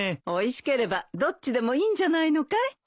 おいしければどっちでもいいんじゃないのかい。